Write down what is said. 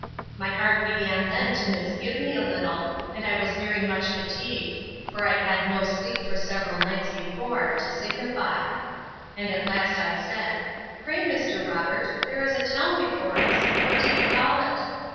My heart began then to misgive me a little, and I was very much fatigued; for I had no sleep for several nights before, to signify; and at last I said, Pray Mr. Robert, there is a town before us, what do you call it?